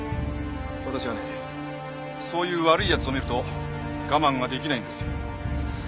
私はねそういう悪い奴を見ると我慢が出来ないんですよ。